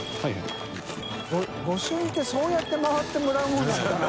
淵劵蹈漾御朱印ってそうやって回ってもらうものなのかな？